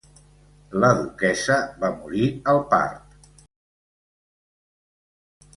La duquessa va morir al part.